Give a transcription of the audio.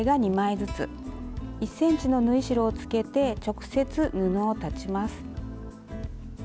１ｃｍの縫い代をつけて直接布を裁ちます。